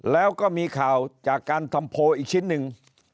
แล้วก็มีข่าวจากการทำโพลอีกชิ้นหนึ่ง